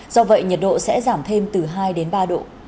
do vậy nhiệt độ sẽ giảm thêm từ hai đến ba độ